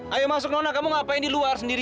saya beli penelitian punya orang di luar insert